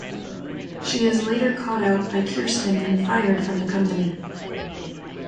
She is later caught out by Kirsten and fired from the company.